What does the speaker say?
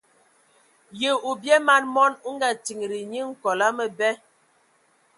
Ye o bie man mɔn, o nga tindi nkol a məbɛ.